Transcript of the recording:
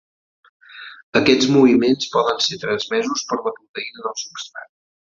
Aquests moviments poden ser transmesos per la proteïna del substrat.